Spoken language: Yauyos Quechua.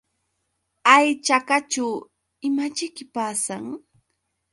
Hay chakaćhu ¿imaćhiki pasan?